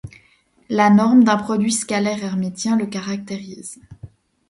La norme d'un produit scalaire hermitien le caractérise.